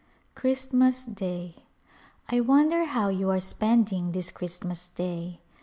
Christmas Day. I wonder how you are spending this Christmas Day